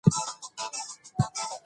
ایا سکهان هم په دغه جګړه کې شامل وو؟